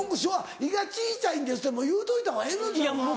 「胃が小ちゃいんです」って言うといた方がええのんちゃう？